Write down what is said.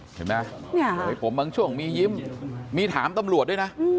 เห็นไหมให้ผมบางช่วงมียิ้มมีถามตำรวจด้วยนะ